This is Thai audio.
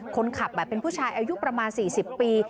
คนขับเป็นผู้ชายอายุประมาณ๔๐ปี